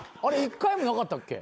１回もなかったっけ？